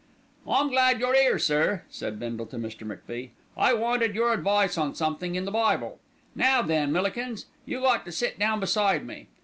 "I'm glad you're 'ere, sir," said Bindle to Mr. MacFie. "I wanted your advice on somethink in the Bible. Now then, Millikins, you got to sit down beside me.